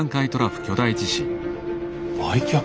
売却？